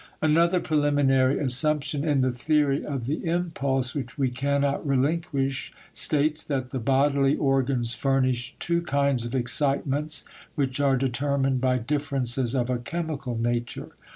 Another preliminary assumption in the theory of the impulse which we cannot relinquish, states that the bodily organs furnish two kinds of excitements which are determined by differences of a chemical nature.